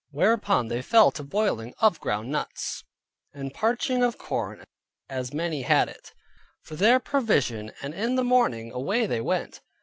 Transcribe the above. Whereupon they fell to boiling of ground nuts, and parching of corn (as many as had it) for their provision; and in the morning away they went.